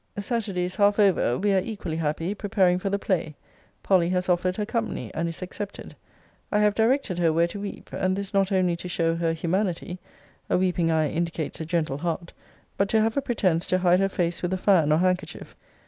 Saturday is half over. We are equally happy preparing for the play. Polly has offered her company, and is accepted. I have directed her where to weep: and this not only to show her humanity, [a weeping eye indicates a gentle heart,] but to have a pretence to hide her face with a fan or handkerchief.